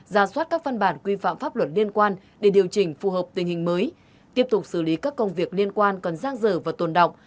ra soát các văn bản quy phạm pháp luật liên quan để điều chỉnh phù hợp tình hình mới tiếp tục xử lý các công việc liên quan còn giang dở và tồn động